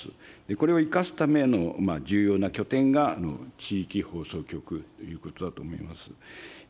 これを生かすための重要な拠点が地域放送局ということだと思います。